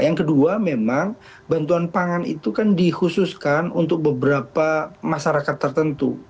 yang kedua memang bantuan pangan itu kan dikhususkan untuk beberapa masyarakat tertentu